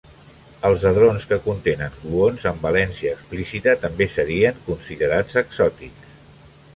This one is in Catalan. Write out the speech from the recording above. Els hadrons que contenen gluons amb valència explícita també serien considerats exòtics.